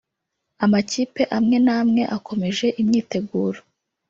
amakipe amwe n’amawe akomeje imyiteguro